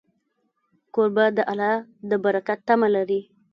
کوربه د الله د برکت تمه لري.